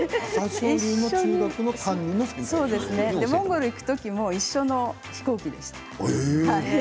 モンゴル行く時も一緒の飛行機でした。